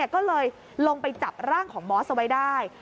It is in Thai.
ก็เลยลงไปจับร่างของมอสเอาไว้ได้